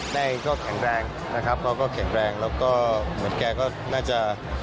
แกก็แข็งแรงนะครับแล้วก็แข็งแรงแล้วก็แกก็น่าจะ